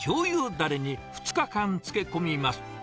だれに２日間漬け込みます。